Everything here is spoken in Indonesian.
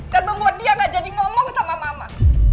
dan membuat dia gak jadi ngomong sama mama